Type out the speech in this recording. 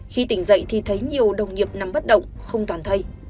khi tỉnh dậy thì thấy nhiều đồng nghiệp nằm bất động không toàn thây